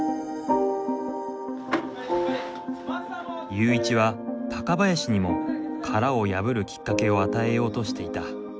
ユーイチは高林にも殻を破るきっかけを与えようとしていた。